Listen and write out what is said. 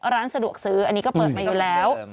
ร้านสะดวกซื้ออันนี้ก็เปิดมาอยู่แล้ว